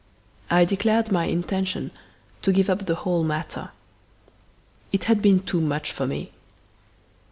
I declared my intention to give up the whole matter. It had been too much for me.